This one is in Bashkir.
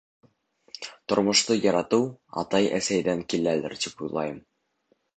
Тормошто яратыу атай-әсәйҙән киләлер, тип уйлайым.